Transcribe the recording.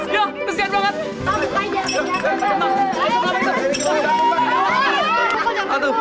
ya kesian banget